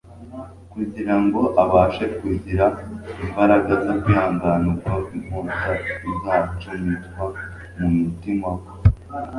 kugira ngo abashe kugira imbaraga zo kwihangana, ubwo inkota izacumitwa mu mutima we